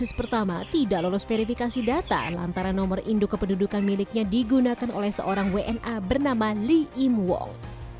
dosis pertama tidak lolos verifikasi data lantaran nomor induk kependudukan miliknya digunakan oleh seorang wna bernama lee im wong